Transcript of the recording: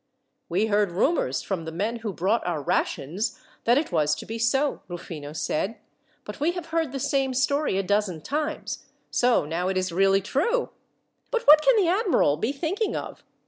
"We heard rumours, from the men who brought our rations, that it was to be so," Rufino said; "but we have heard the same story a dozen times. So, now, it is really true! But what can the admiral be thinking of!